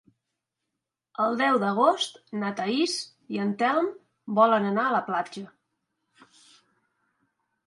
El deu d'agost na Thaís i en Telm volen anar a la platja.